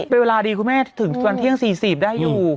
เป็นเวลาดีคุณแม่ถึงตอนเที่ยง๔๐ได้อยู่